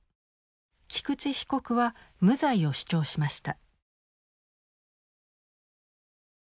菊池被告は無罪を主張しました。